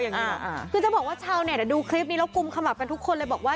อย่างนี้หรออ่าคือจะบอกว่าชาวเนี้ยแต่ดูคลิปนี้แล้วกลุ่มขมับกันทุกคนเลยบอกว่า